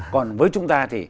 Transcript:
còn với chúng ta thì